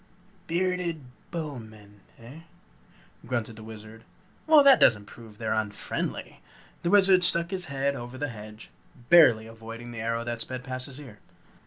"Bearded Bowmen, eh?" grunted the Wizard. "Well, that doesn't prove they're unfriendly." The Wizard stuck his head over the hedge, barely avoiding the arrow that sped past his ear.